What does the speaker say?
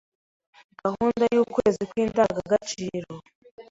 gahunda y’ukwezi kw’indangagaciro.